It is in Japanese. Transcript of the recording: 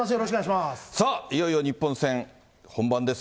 さあ、いよいよ日本戦、本番です。